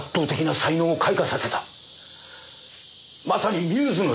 まさにミューズのように。